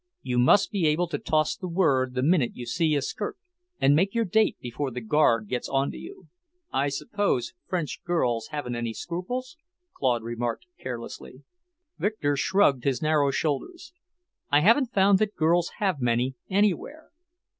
You must be able to toss the word the minute you see a skirt, and make your date before the guard gets onto you." "I suppose French girls haven't any scruples?" Claude remarked carelessly. Victor shrugged his narrow shoulders. "I haven't found that girls have many, anywhere.